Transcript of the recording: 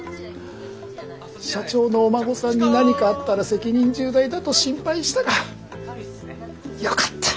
社長のお孫さんに何かあったら責任重大だと心配したがよかった。